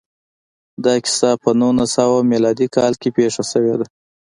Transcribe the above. دا کیسه په نولس سوه میلادي کال کې پېښه شوې ده